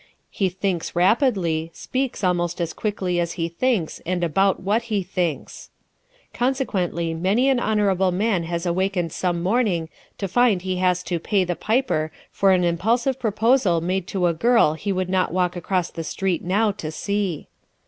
He thinks rapidly, speaks almost as quickly as he thinks and about what he thinks. Consequently many an honorable man has awakened some morning to find he has to "pay the piper" for an impulsive proposal made to a girl he would not walk across the street now to see.